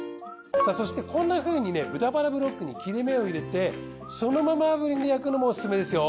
そしてこんなふうに豚バラブロックに切れ目を入れてそのまま炙輪で焼くのもおすすめですよ。